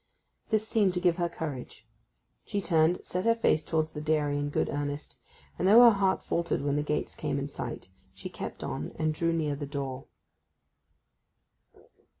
This seemed to give her courage. She turned, set her face towards the dairy in good earnest, and though her heart faltered when the gates came in sight, she kept on and drew near the door.